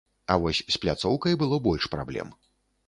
А вось з пляцоўкай было больш праблем.